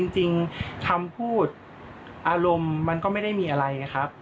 จริงคำพูดอารมณ์มันก็ไม่ได้มีอะไรนะครับ